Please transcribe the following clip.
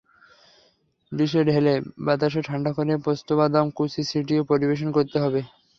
ডিশে ঢেলে বাতাসে ঠান্ডা করে পেস্তাবাদাম কুচি ছিটিয়ে পরিবেশন করতে হবে।